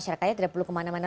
sekarang kita mulai ade